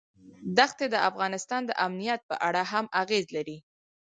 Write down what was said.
دښتې د افغانستان د امنیت په اړه هم اغېز لري.